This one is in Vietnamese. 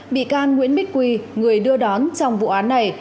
bị can nguyễn bích quy người đưa đón trong vụ án này